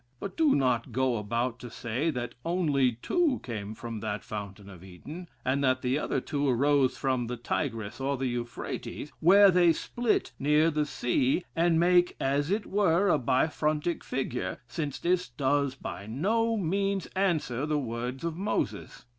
But do not go about to say that only two came from that fountain of Eden, and that the other two arose from the Tigris or the Euphrates, where they split near the sea, and make, as it were, a bifrontic figure, since this does by no means answer the words of Moses.